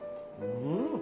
うん！